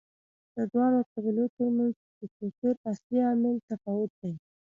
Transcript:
د دواړو قبیلو ترمنځ د توپیر اصلي عامل تفاوت دی.